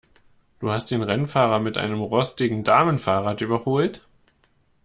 Du hast den Rennfahrer mit einem rostigen Damenfahrrad überholt?